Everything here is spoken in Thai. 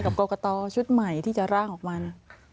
กรกตชุดใหม่ที่จะร่างออกมา